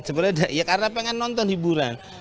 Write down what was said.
sebenarnya ya karena pengen nonton hiburan